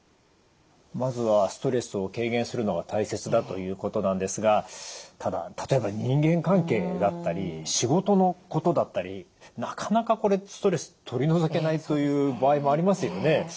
まずはストレスを軽減するのが大切だということなんですがただ例えば人間関係だったり仕事のことだったりなかなかこれストレス取り除けないという場合もありますよね。